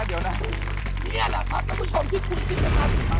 เนี่ยแหละครับท่านผู้ชมที่คุณคิดกันครับ